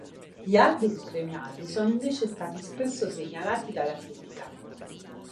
Gli album premiati sono invece stati spesso segnalati dalla critica.